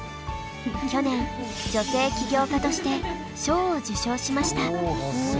去年女性起業家として賞を受賞しました。